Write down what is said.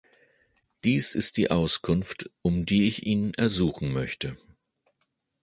Dies ist die Auskunft, um die ich ihn ersuchen möchte.